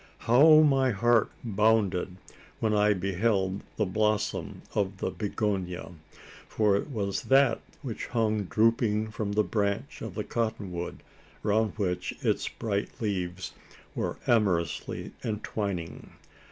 How my heart bounded, when I beheld the blossom of the bignonia; for it was that which hung drooping from the branch of the cotton wood, round which its bright leaves were amorously entwining!